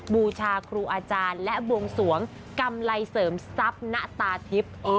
บูชาครูอาจารย์และบวงสวงกำไรเสริมทรัพย์ณตาทิพย์